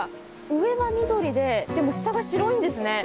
上が緑ででも下が白いんですね。